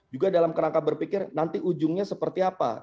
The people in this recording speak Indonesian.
juga dalam kerangka berpikir nanti ujungnya seperti apa